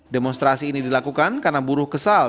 demonstrasi ini dilakukan karena buruh kesal